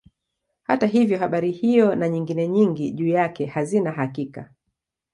Hata hivyo habari hiyo na nyingine nyingi juu yake hazina hakika.